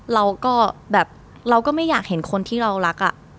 เราก็แบบเราก็ไม่อยากเห็นคนที่เรารักอะ